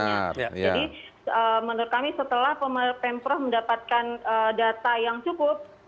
jadi menurut kami setelah pemprov mendapatkan data yang cukup